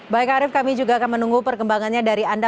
baik arief kami juga akan menunggu perkembangannya dari anda